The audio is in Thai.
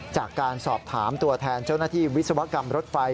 จากการสอบถามตัวแทนเจ้าหน้าที่วิศวกรรมรถไฟ